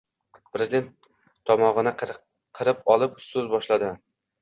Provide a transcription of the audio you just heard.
Prezident, tomog‘ini qirib olib, so‘z boshladi: